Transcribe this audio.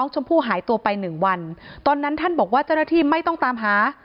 ชมพู่หายตัวไปหนึ่งวันตอนนั้นท่านบอกว่าเจ้าหน้าที่ไม่ต้องตามหา